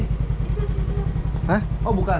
hah oh bukan